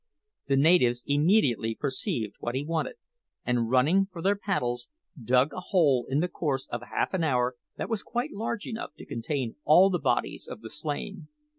The natives immediately perceived what he wanted, and running for their paddles, dug a hole in the course of half an hour that was quite large enough to contain all the bodies of the slain.